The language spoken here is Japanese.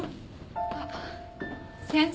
あっ先生。